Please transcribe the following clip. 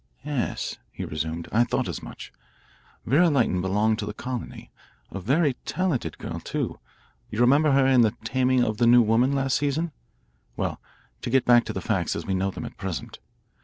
"Yes," he resumed, "I thought as much. Vera Lytton belonged to the colony. A very talented girl, too you remember her in 'The Taming of the New Woman' last season? Well, to get back to the facts as we know them at present.